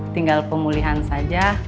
tinggal pemulihan saja